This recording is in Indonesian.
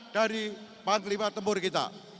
dari panglima tembur kita